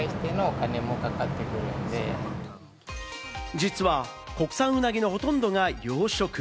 実は国産ウナギのほとんどが養殖。